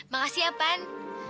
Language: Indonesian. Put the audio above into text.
makasih ya pan